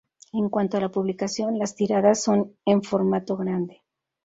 En cuanto a la publicación, las tiradas son en formato grande.